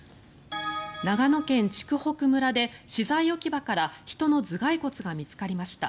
長野県筑北村で資材置き場から人の頭蓋骨が見つかりました。